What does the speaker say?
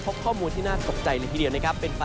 พบข้อมูลที่น่าตกใจเลยทีเดียวนะครับ